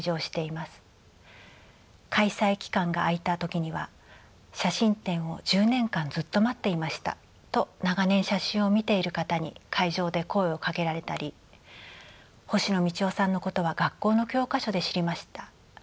開催期間があいた時には「写真展を１０年間ずっと待っていました」と長年写真を見ている方に会場で声をかけられたり「星野道夫さんのことは学校の教科書で知りました。